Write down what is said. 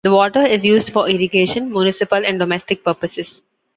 The water is used for irrigation, municipal and domestic purposes.